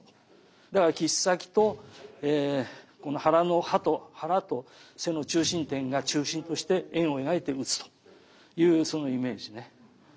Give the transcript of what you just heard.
だから切先とこの腹と背の中心点が中心として円を描いて打つというそのイメージね。